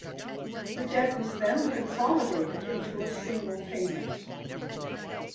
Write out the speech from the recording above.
The debt was then 'consolidated' into a single payment.